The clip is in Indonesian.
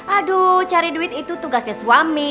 aduh cari duit itu tugasnya suami